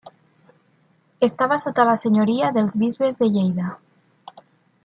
Estava sota la senyoria dels bisbes de Lleida.